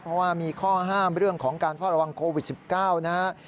เพราะว่ามีข้อห้ามเรื่องของการเฝ้าระวังโควิด๑๙นะครับ